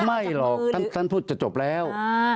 ไม่หรอกท่านพูดจะจบแล้ว